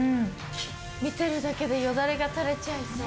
見てるだけでよだれが垂れちゃいそう。